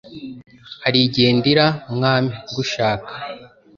harigihe ndira mwami ngushaka